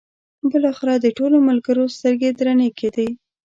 بالاخره د ټولو ملګرو سترګې درنې کېدې.